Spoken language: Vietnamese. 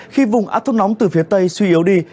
khi vùng áp thấp nóng từ phía tây suy yếu đi